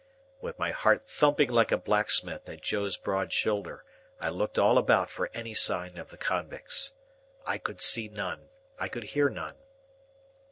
With my heart thumping like a blacksmith at Joe's broad shoulder, I looked all about for any sign of the convicts. I could see none, I could hear none.